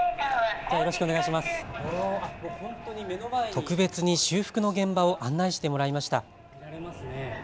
特別に修復の現場を案内してもらいました。